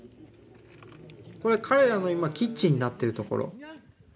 これ彼らの今キッチンになっているところ。